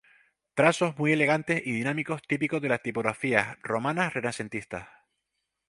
Trazos muy elegantes y dinámicos típico de las tipografías romanas renacentistas.